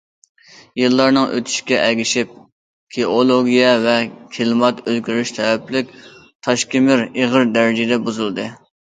يىللارنىڭ ئۆتۈشىگە ئەگىشىپ، گېئولوگىيە ۋە كىلىمات ئۆزگىرىشى سەۋەبلىك، تاشكېمىر ئېغىر دەرىجىدە بۇزۇلدى.